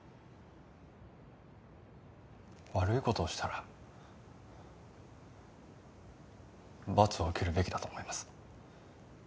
悪い事をしたら罰を受けるべきだと思います。